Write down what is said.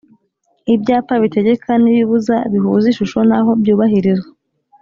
Ibyapa bitegeka n’ibibuza bihuza ishusho n’aho byubahirizwa